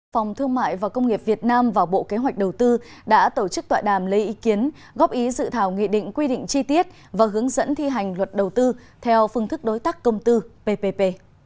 phòng thương mại và công nghiệp việt nam và bộ kế hoạch đầu tư đã tổ chức tọa đàm lấy ý kiến góp ý dự thảo nghị định quy định chi tiết và hướng dẫn thi hành luật đầu tư theo phương thức đối tác công tư ppp